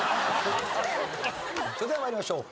それでは参りましょう。